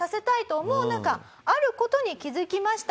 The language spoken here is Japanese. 中ある事に気付きました。